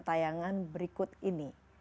tayangan berikut ini